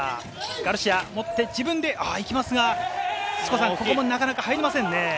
ガルシア持って、自分で行きますが、なかなか入りませんね。